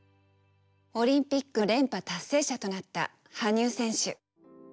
オリンピック連覇達成者となった羽生選手。